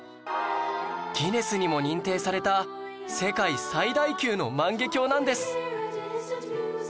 ギネスにも認定された世界最大級の万華鏡なんです